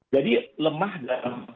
jadi lemah dalam